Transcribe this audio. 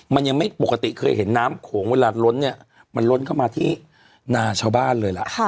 มันยังไม่ปกติเคยเห็นน้ำโขงเวลาล้นเนี่ยมันล้นเข้ามาที่นาชาวบ้านเลยล่ะ